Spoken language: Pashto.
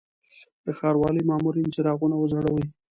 د ښاروالي مامورین څراغونه وځړوي.